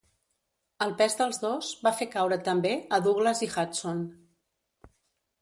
El pes dels dos va fer caure també a Douglas i Hudson.